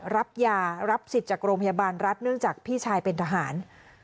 รับยารับสิทธิ์จากโรงพยาบาลรัฐเนื่องจากพี่ชายเป็นทหาร